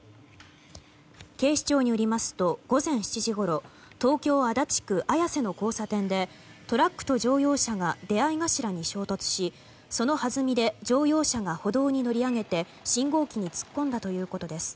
警視庁によりますと午前７時ごろ東京・足立区綾瀬の交差点でトラックと乗用車が出合い頭に衝突しそのはずみで乗用車が歩道に乗り上げて信号機に突っ込んだということです。